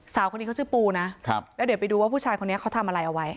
สาวคนนี้เขาชื่อปูนะแล้วเดี๋ยวไปดูว่าผู้ชายคนนี้เขาทำอะไรเอาไว้